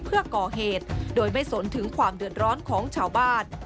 เพื่อก่อเหตุโดยไม่สนถึงความเดือดร้อนของชาวบ้าน